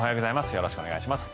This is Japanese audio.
よろしくお願いします。